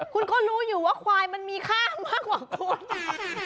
คุณก็รู้อยู่ว่าควายมันมีค่ามากกว่าคุณ